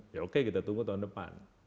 ya oke kita tunggu tahun depan